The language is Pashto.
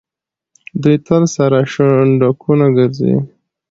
دوی تل سره شونډکونه ګرځي.